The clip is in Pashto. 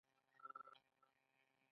آیا دوی نوي خلک نه مني؟